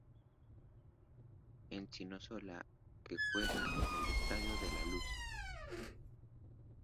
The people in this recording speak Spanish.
Encinasola, que juega en el Estadio de la luz.